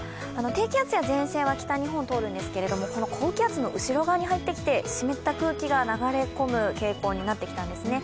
低気圧や前線は北日本通るんですけど、この高気圧の後ろ側に入ってきて湿った空気が流れ込む傾向になってきたんですね。